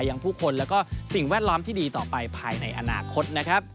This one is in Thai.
ยังผู้คนแล้วก็สิ่งแวดล้อมที่ดีต่อไปภายในอนาคตนะครับ